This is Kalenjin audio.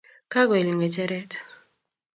Kagoil ngecheret